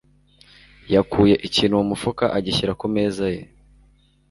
yakuye ikintu mu mufuka agishyira ku meza ye.